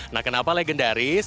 nah kenapa legendaris